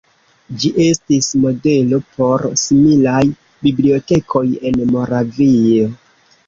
Ĝi estis modelo por similaj bibliotekoj en Moravio.